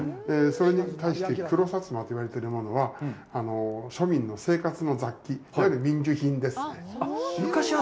それに対して黒薩摩と言われてるものは、庶民の生活の雑器、いわゆる民需品ですね。